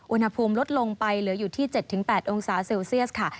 อุณหภูมิลดลงไปเหลืออยู่ที่๗๘องศาเซลเซียสค่ะ